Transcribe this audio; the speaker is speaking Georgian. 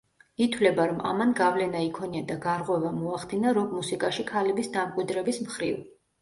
ითვლება, რომ ამან გავლენა იქონია და გარღვევა მოახდინა როკ-მუსიკაში ქალების დამკვიდრების მხრივ.